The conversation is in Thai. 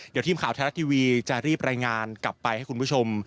เดี๋ยวทีมข่าวไทยรัฐทีวีจะรีบรายงานกลับไปให้คุณผู้ชม